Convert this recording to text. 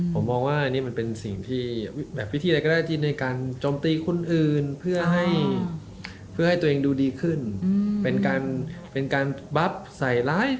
ผมมองว่านี่มันเป็นสิ่งที่แบบวิธีอะไรก็ได้ที่ในการจมตีคนอื่นเพื่อให้ตัวเองดูดีขึ้นเป็นการบับใส่ร้ายคลินิกคนอื่นซึ่งผมมองว่ามันเป็นสิ่งที่ไม่ควรเลยนะครับ